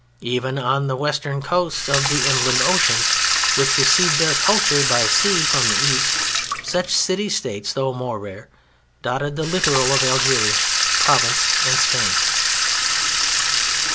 Even on the western coasts of the inland ocean, which received their culture by sea from the East, such City States, though more rare, dotted the littoral of Algeria, Provence and Spain.